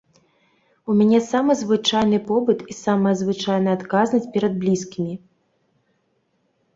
У мяне самы звычайны побыт і самая звычайная адказнасць перад блізкімі.